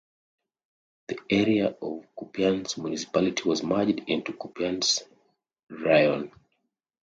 The area of Kupiansk Municipality was merged into Kupiansk Raion.